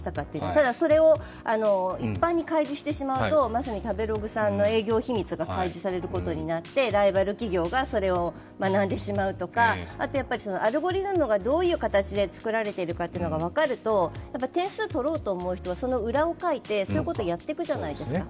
ただ、それを一般に開示してしまうと、まさに食べログさんの営業秘密が開示されることになって、ライバル企業がそれを学んでしまうとかアルゴリズムがどういう形で作られているかというのが分かると、点数取ろうと思う人は、その裏をかいてそういうことをやっていくじゃないですか。